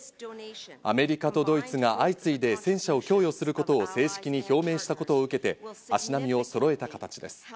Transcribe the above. アメリカとドイツが相次いで戦車を供与することを正式に表明したことを受けて、足並みをそろえた形です。